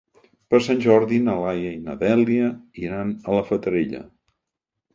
Per Sant Jordi na Laia i na Dèlia iran a la Fatarella.